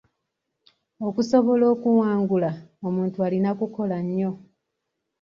Okusobola okuwangula, omuntu alina kukola ennyo.